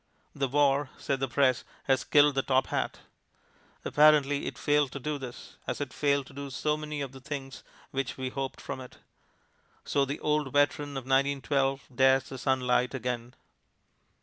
"The war," said the press, "has killed the top hat." Apparently it failed to do this, as it failed to do so many of the things which we hoped from it. So the old veteran of 1912 dares the sunlight again.